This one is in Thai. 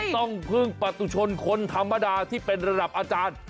ต้องพึ่งปฏุชนคนธรรมดาที่เป็นระดับอาจารย์